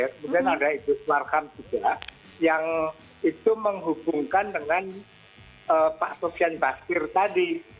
kemudian ada idrus marham juga yang itu menghubungkan dengan pak sofian basir tadi